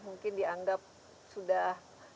mungkin dianggap sudah